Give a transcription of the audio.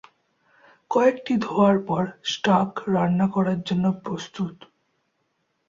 কয়েকটি ধোয়ার পর, স্টার্ক রান্না করার জন্য প্রস্তুত।